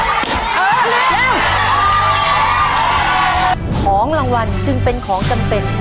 จะมาจับมือกันต่อสู้เพื่อโรงเรียนที่รักของพวกเค้า